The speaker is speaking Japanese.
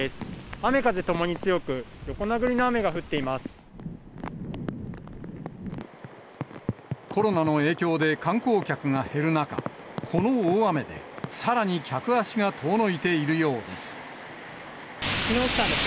雨風ともに強く、横殴りの雨が降コロナの影響で、観光客が減る中、この大雨で、さらに客足が遠のいているようです。